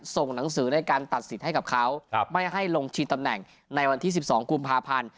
ส่งหนังสือในการตัดสิทธิ์ให้กับเขาไม่ให้ลงชิงตำแหน่งในวันที่๑๒กุมภาพันธ์